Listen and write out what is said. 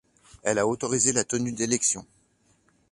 Elle a autorisé la tenue d'élections.